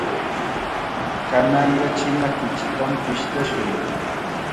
Kananqa china kuchitam pishtashun.